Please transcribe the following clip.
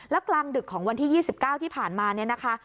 แล้วกลางดึกของวันที่๒๙ที่ผ่านมาเนี่ยนะคะ